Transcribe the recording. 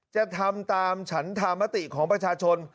จะทำตามฉันธรรมติของประชาชน